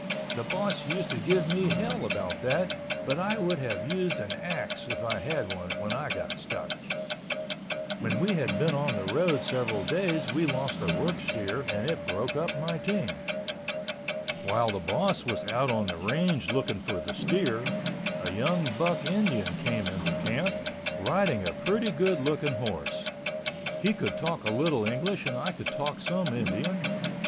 The boss used to give me hell about that but I would have used an axe if I had one when I got stuck. When we had been on the road several days we lost a work steer and it broke up my team. While the boss was out on the range looking for the steer, a young buck Indian came into camp, riding a pretty good looking horse. He could talk a little English and I could talk some Indian.